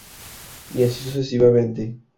Y así sucesivamente.